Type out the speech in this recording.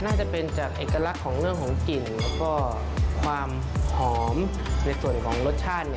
น่าจะเป็นจากเอกลักษณ์ของเรื่องของกลิ่นแล้วก็ความหอมในส่วนของรสชาติ